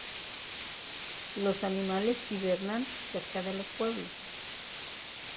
Los animales hibernan cerca de los pueblos.